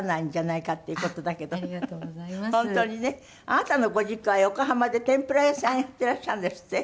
あなたのご実家は横浜で天ぷら屋さんやっていらっしゃるんですって？